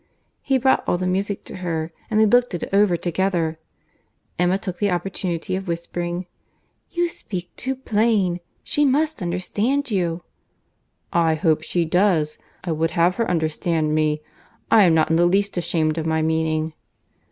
He brought all the music to her, and they looked it over together.—Emma took the opportunity of whispering, "You speak too plain. She must understand you." "I hope she does. I would have her understand me. I am not in the least ashamed of my meaning."